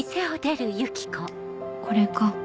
これか